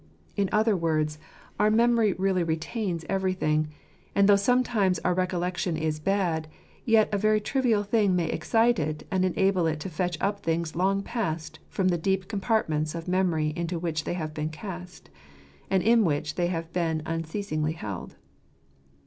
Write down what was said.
In other words, our memory really retains 88 ■ Jfcrseplr's yirat Shtterlmhi hrttlj SJis grstljren, everything ; and though sometimes our recollection is bad, yet a very trivial thing may excite it and enable it to fetch up things long past from the deep compartments of memory into which they have been cast, and in which they have been unceasingly held.